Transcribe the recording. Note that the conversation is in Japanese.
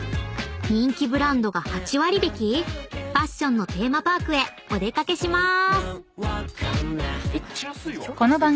［人気ブランドが８割引き⁉ファッションのテーマパークへお出掛けしまーす！］